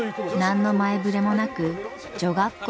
何の前触れもなく女学校が廃止に。